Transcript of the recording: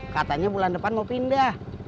katanya bulan depan mau pindah